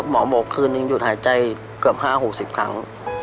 หมอบอกคืนนึงหยุดหายใจเกือบ๕๖๐ครั้ง